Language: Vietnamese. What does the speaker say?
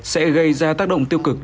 sẽ gây ra tác động tiêu cực